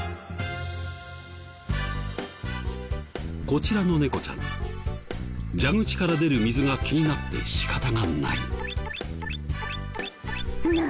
こちらの猫ちゃん蛇口から出る水が気になって仕方がない。